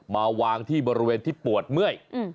มาวางที่บริเวณที่ปวดเมื่อย